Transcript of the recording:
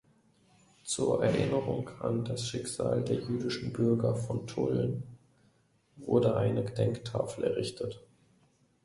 Zur Erinnerung an das Schicksal der jüdischen Bürger von Tulln wurde eine Gedenktafel errichtet.